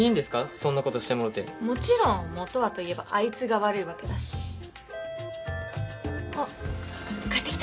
そんなことしてもろてもちろんもとはといえばあいつが悪いわけだし・・あっ帰ってきた！